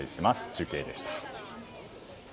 中継でした。